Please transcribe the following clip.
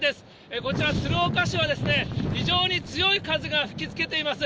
こちら、鶴岡市は非常に強い風が吹きつけています。